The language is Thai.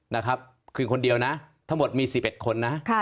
นะครับคือคนเดียวนะทั้งหมดมี๑๑คนนะ